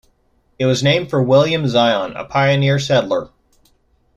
It was named for William Zion, a pioneer settler.